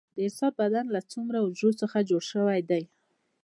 د انسان بدن له څومره حجرو څخه جوړ شوی دی